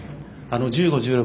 １５、１６